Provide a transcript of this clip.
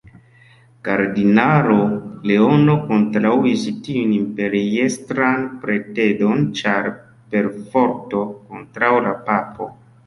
Kardinalo Leono kontraŭis tiun imperiestran pretendon ĉar perforto kontraŭ la papo.